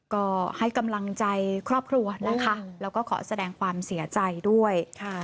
ก็ให้กำลังใจครอบครัวนะคะแล้วก็ขอแสดงความเสียใจด้วย